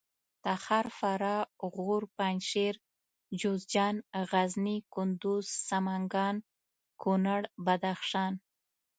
تخار فراه غور پنجشېر جوزجان غزني کندوز سمنګان کونړ بدخشان